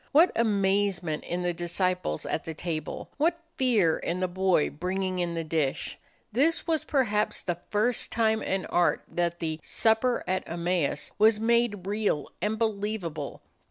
What amazement in the disciples at the table! What fear in the boy bringing in the dish! This was perhaps the first time in art that the "Supper at Emmaus" was made real and believable.